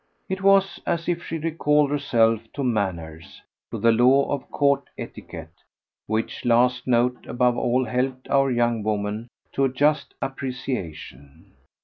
It was as if she recalled herself to manners, to the law of court etiquette which last note above all helped our young woman to a just appreciation.